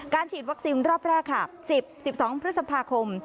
ฉีดวัคซีนรอบแรกค่ะ๑๐๑๒พฤษภาคม